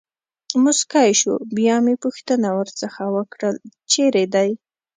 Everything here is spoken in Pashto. مسکی شو، بیا مې پوښتنه ورڅخه وکړل: چېرې دی.